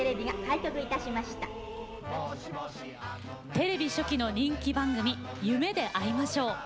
テレビ初期の人気番組「夢であいましょう」。